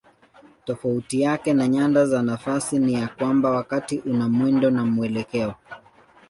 Tofauti yake na nyanda za nafasi ni ya kwamba wakati una mwendo na mwelekeo.